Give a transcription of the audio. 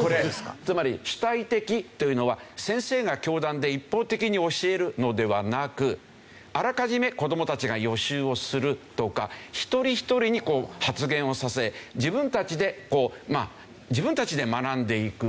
これつまり主体的というのは先生が教壇で一方的に教えるのではなくあらかじめ子どもたちが予習をするとか一人一人にこう発言をさせ自分たちで学んでいく。